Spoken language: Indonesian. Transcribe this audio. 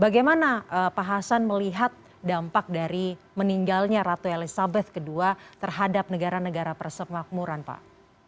bagaimana pak hasan melihat dampak dari meninggalnya ratu elizabeth ii terhadap negara negara persemakmuran pak